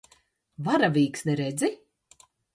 Varavīksni redzi?